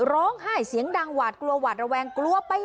ร้องไห้เสียงดังหวาดกลัวหวาดระแวงกลัวไป